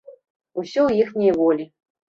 Усё ў іхняй волі.